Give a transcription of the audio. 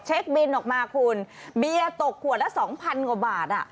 เช็คบินออกมาคุณเบียตกขวดละสองพันกว่าบาทอ่ะ